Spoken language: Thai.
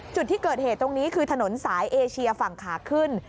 จุดที่เกิดเหตุตรงนี้คือถนนสายเอเชียฝั่งขาขึ้น